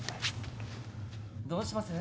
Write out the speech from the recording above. どうします？